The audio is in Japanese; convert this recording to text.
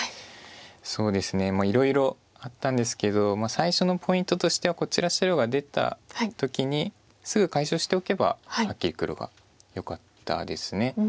そうですねもういろいろあったんですけど最初のポイントとしてはこちら白が出た時にすぐ解消しておけばはっきり黒がよかったです。